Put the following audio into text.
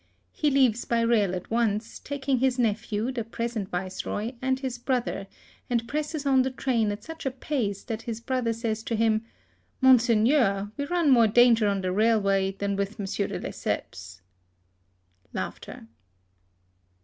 He leaves by rail at once, taking his nephew, the present Viceroy, and his brother, and presses on the train at such a pace that his brother says to him, " Monseigneur, we run more danger on the railway than with Monsieur de Lesseps."